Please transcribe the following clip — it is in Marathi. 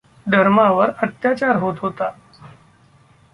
धर्मावर अत्याचार होत होता.